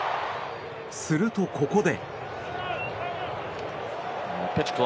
すると、ここで。